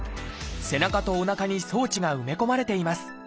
背中とおなかに装置が埋め込まれています。